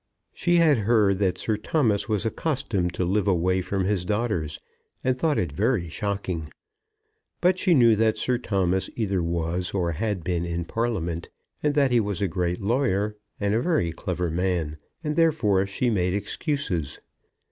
She had heard that Sir Thomas was accustomed to live away from his daughters, and thought it very shocking; but she knew that Sir Thomas either was or had been in Parliament, and that he was a great lawyer and a very clever man, and therefore she made excuses.